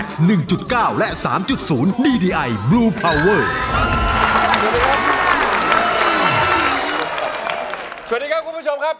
สวัสดีครับคุณผู้ชมครับ